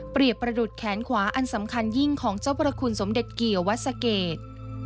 ประดุษแขนขวาอันสำคัญยิ่งของเจ้าพระคุณสมเด็จเกี่ยววัดสะเกด